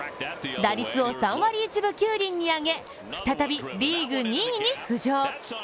打率を３割１分９厘に上げ、再びリーグ２位に浮上。